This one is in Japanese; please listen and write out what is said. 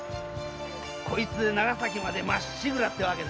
こいつで長崎までまっしぐらってわけだ。